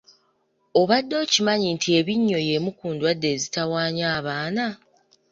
Obadde okimanyi nti ebinnyo y’emu ku ndwadde ezitawaanya abaana?